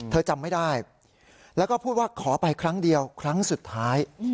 จำไม่ได้แล้วก็พูดว่าขอไปครั้งเดียวครั้งสุดท้าย